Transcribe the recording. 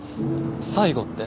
最後って？